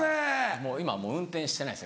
もう今運転してないです